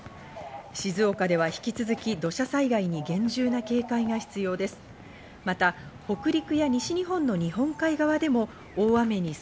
静岡では引き続き土砂災害に厳重な警戒が必要です。